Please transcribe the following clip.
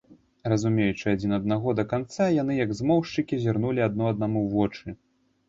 Разумеючы адзін аднаго да канца, яны, як змоўшчыкі, зірнулі адно аднаму ў вочы.